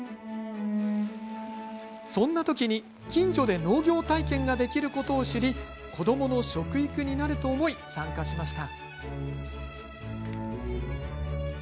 そんな時に、近所で農業体験ができることを知り子どもの食育になると思い参加しました。